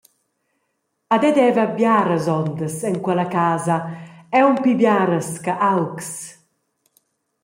Ed ei deva biaras ondas en quella casa, aunc pli biaras che augs.